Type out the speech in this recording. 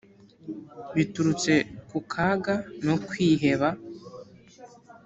biturutse ku kaga no kwiheba